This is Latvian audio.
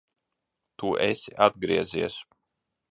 Tu esi atgriezies!